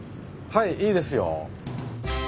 はいいいですよ。